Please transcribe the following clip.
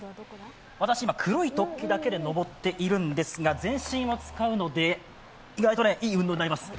私、今、黒い突起だけで登っているんですが全身を使うので、意外といい運動になります。